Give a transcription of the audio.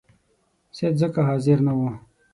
سید ځکه حاضر نه وو.